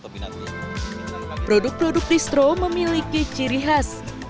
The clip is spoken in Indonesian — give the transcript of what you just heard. produk produk distro memiliki ciri khas